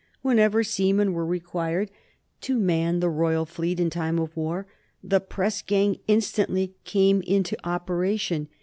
Whenever seamen were required to man the royal fleet in time of war, the press gang instantly came into operation.